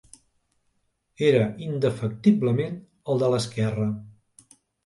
Era indefectiblement el de l'esquerra;